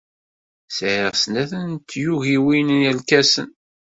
Sɛiɣ snat n tyugiwin n yirkasen.